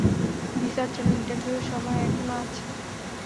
ভিসার জন্যে ইন্টারভিউ সময় এখনও আছে।